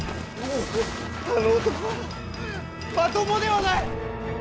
あの男はまともではない！